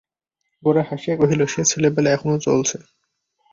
গোরা হাসিয়া কহিল, সে ছেলেবেলা এখনো চলছে।